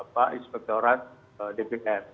pak inspektorat dpr